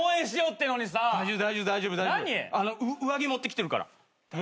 上着持ってきてるから。